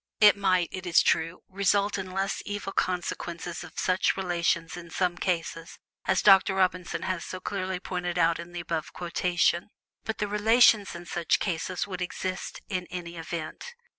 It might, it is true, result in less evil consequences of such relations in some cases, as Dr. Robinson has so clearly pointed out in the above quotation; but the relations in such cases would exist in either event.